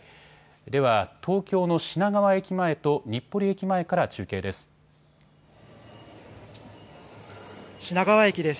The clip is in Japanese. では東京の品川駅前と日暮里駅前から中継です。